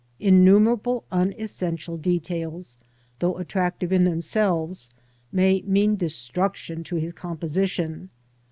Innumerable unessential details, though attractive in themselves, may mean destruction to his composition.